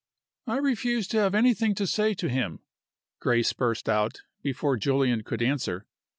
"I refuse to have anything to say to him," Grace burst out, before Julian could answer.